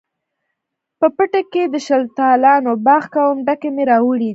په پټي کښې د شلتالانو باغ کوم، ډکي مې راوړي دي